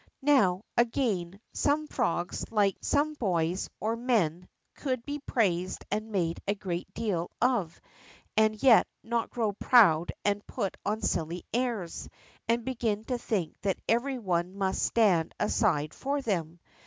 ]^ow, again, some frogs, like some boys or men, could be praised and made a great deal of and yet not grow proud and put on silly airs, and begin to think that every one must stand aside for them.